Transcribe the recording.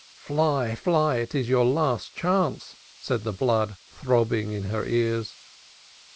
"Fly, fly; it is your last chance," said the blood throbbing in her ears.